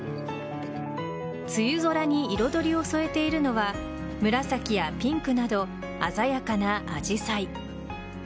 梅雨空に彩りを添えているのは紫やピンクなど鮮やかなアジサイ。